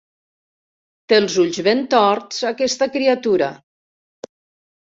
Té els ulls ben torts, aquesta criatura.